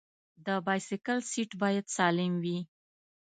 د بایسکل سیټ باید سالم وي.